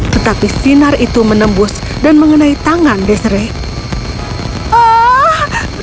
tetapi sinar itu menembus dan mengenai tangan desre